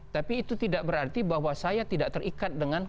tapi itu tidak berarti bahwa saya tidak terikat dengan